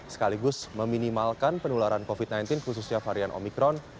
sekaligus meminimalkan penularan covid sembilan belas khususnya varian omikron